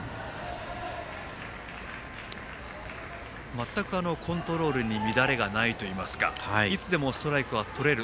全くコントロールに乱れがないといいますかいつでもストライクはとれる。